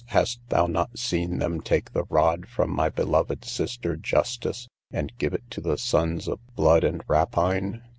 hast thou not seen them take the rod from my beloved sister, Justice, and give it to the sons of blood and rapine?